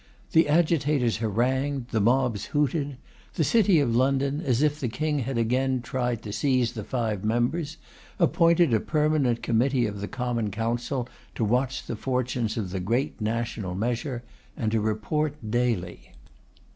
The agitators harangued, the mobs hooted. The City of London, as if the King had again tried to seize the five members, appointed a permanent committee of the Common Council to watch the fortunes of the 'great national measure,' and to report daily.